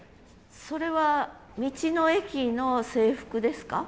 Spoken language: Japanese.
それは道の駅の制服ですか？